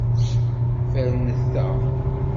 Fernet-aɣ!